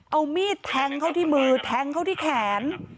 เอามีดแทงเข้าที่มือแทงเข้าที่แขน